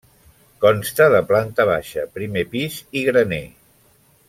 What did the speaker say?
Consta de planta baixa, primer pis i graner.